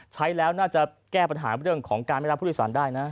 ใช้แล้วน่าจะแก้ปัญหาเรื่องของการไม่รับผู้โดยสารได้นะ